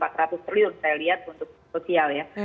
rp empat ratus triliun saya lihat untuk sosial ya